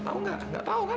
tahu gak gak tahu kan